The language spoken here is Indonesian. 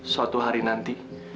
suatu hari nanti